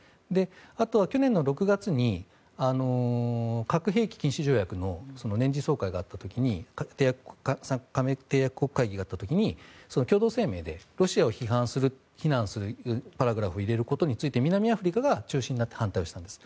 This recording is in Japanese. あとは、去年６月に核兵器禁止条約の年次総会があった時に締約国会議があった時に共同声明でロシアを非難するパラグラフを入れることについて南アフリカが中心となって反対したんです。